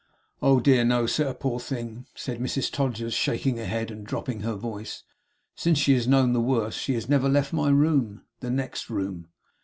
'Oh, dear no, sir. Poor thing!' said Mrs Todgers, shaking her head, and dropping her voice. 'Since she has known the worst, she has never left my room; the next room.